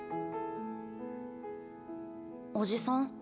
おじさん？